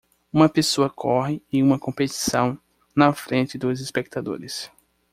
Uma pessoa corre em uma competição na frente dos espectadores.